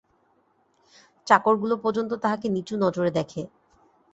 চাকরগুলো পর্যন্ত তাঁহাকে নিচু নজরে দেখে।